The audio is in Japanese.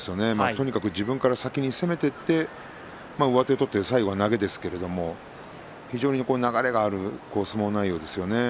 とにかく自分から先に攻めていって上手を取って最後、投げですけれども非常に流れがある相撲内容ですよね。